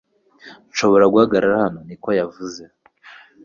Nshobora guhagarara hano? Niko yavuze